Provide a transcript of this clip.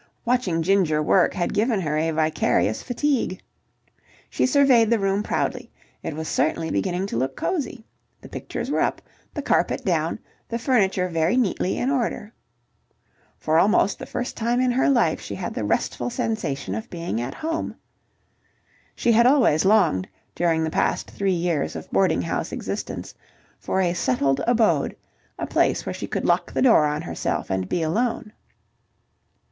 Watching Ginger work had given her a vicarious fatigue. She surveyed the room proudly. It was certainly beginning to look cosy. The pictures were up, the carpet down, the furniture very neatly in order. For almost the first time in her life she had the restful sensation of being at home. She had always longed, during the past three years of boarding house existence, for a settled abode, a place where she could lock the door on herself and be alone.